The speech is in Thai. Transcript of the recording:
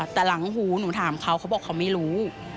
แต่หลังหูหนูถามเขาเขาบอกเขาไม่รู้